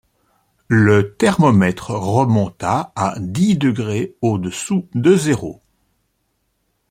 Le thermomètre remonta à dix degrés au-dessous de zéro.